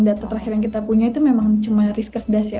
data terakhir yang kita punya itu memang cuma risk kes das ya